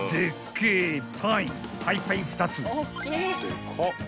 ［パイパイ２つ］